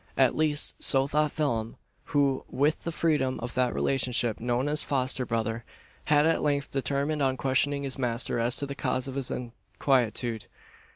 At least, so thought Phelim: who with the freedom of that relationship known as "foster brother" had at length determined on questioning his master as to the cause of his inquietude.